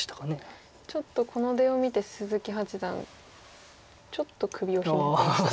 ちょっとこの出を見て鈴木八段ちょっと首をひねってましたね。